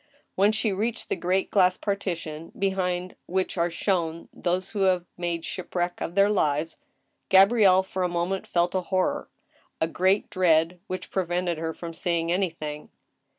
When she reached the great glass partition behind which are TkE JUDGMENT OF GOD. 175 shown those who have made shipwreck of their lives, GabrieHe for a moment felt a horror — ^a great dread — ^which prevented her from seeing anything.